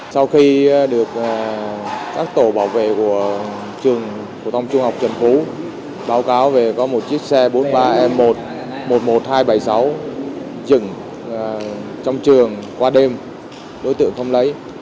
sau khi được các tổ bảo vệ của trường phổ thông trung học trần phú báo cáo về có một chiếc xe bốn mươi ba e một một mươi một nghìn hai trăm bảy mươi sáu dừng trong trường qua đêm đối tượng không lấy